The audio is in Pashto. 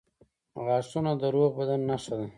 • غاښونه د روغ بدن نښه ده.